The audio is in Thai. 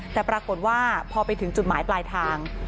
แต่ปรากฏว่าพอไปถึงจุดหมายปลายทาง